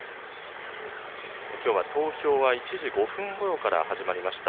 きょうは、投票は１時５分ごろから始まりました。